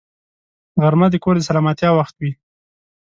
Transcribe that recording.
غرمه د کور د سلامتیا وخت وي